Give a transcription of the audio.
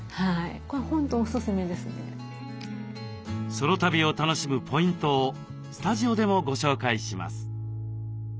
ソロ旅を楽しむポイントをスタジオでもご紹介します。